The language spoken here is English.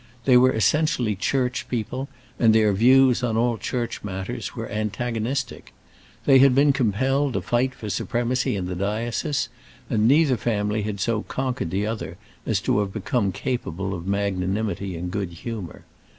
They were essentially church people, and their views on all church matters were antagonistic. They had been compelled to fight for supremacy in the diocese, and neither family had so conquered the other as to have become capable of magnanimity and good humour.